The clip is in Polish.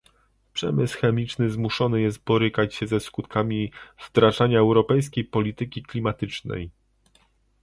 Przemysł chemiczny zmuszony jest borykać się ze skutkami wdrażania europejskiej polityki klimatycznej